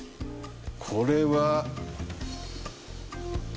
これは。